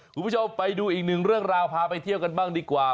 คุณผู้ชมไปดูอีกหนึ่งเรื่องราวพาไปเที่ยวกันบ้างดีกว่า